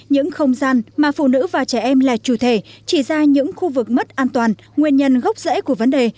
những không gian mà phụ nữ và trẻ em là chủ thể chỉ ra những khu vực mất an toàn nguyên nhân gốc rễ của vấn đề